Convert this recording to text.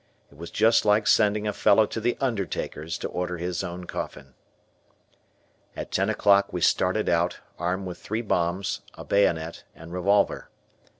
It was just like sending a fellow to the undertakers to order his own coffin. At ten o'clock we started out, armed with three bombs, a bayonet, and revolver.